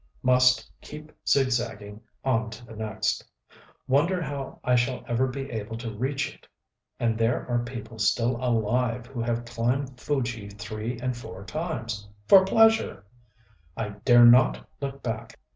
Must keep zigzaging on to the next. Wonder how I shall ever be able to reach it!... And there are people still alive who have climbed Fuji three and four times, for pleasure!... Dare not look back.